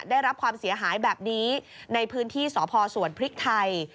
ได้รับความเสียหายแบบนี้ในพื้นที่สพสวนพริกไทย